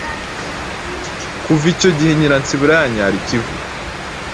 Kuva icyo gihe, Nyiransibura yanyara ikivu,